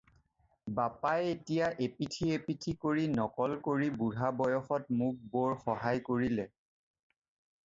বাপাই এতিয়া এপিঠি এপিঠি কৰি নকল কৰি বুঢ়া বয়সত মােক বৰ সহায় কৰিলে